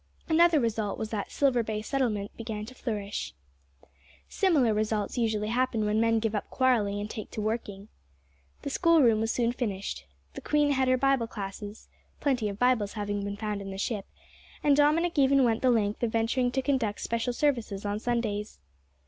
Another result was that Silver Bay Settlement began to flourish. Similar results usually happen when men give up quarrelling and take to working. The schoolroom was soon finished. The queen had her Bible classes plenty of Bibles having been found in the ship and Dominick even went the length of venturing to conduct special services on Sundays.